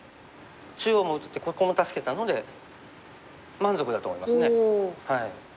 中央も打ててここも助けたので満足だと思いますね。